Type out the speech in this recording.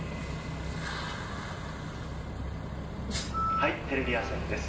『はい！テレビ朝日です』